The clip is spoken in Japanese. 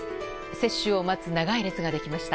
接種を待つ長い列ができました。